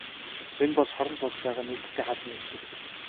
Энэ бол шоронд болж байгаа нээлттэй хаалганы өдөр.